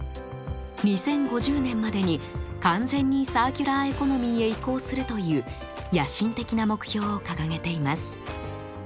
２０５０年までに完全にサーキュラーエコノミーへ移行するという野心的な目標を掲げています。